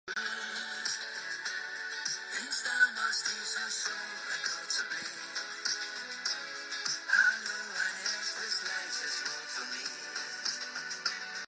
Pure crystals are plate shaped and colorless to white.